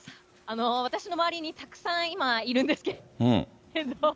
私の周りにたくさん今いるんですけども。